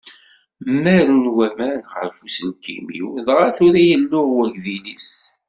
Mmaren waman ɣef uselkim-iw dɣa tura yelluɣ wegdil-is.